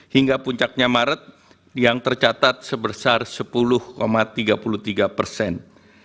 hingga puncaknya maret yang tercatat sebesar sepuluh tiga puluh tiga persen